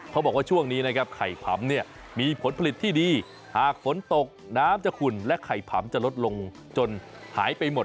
เขาบอกว่าช่วงนี้ไข่พร้ำมีผลผลิตที่ดีหากฝนตกน้ำจะขุ่นและไข่พร้ำจะลดลงจนหายไปหมด